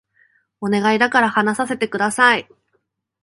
お願いだから話させて下さい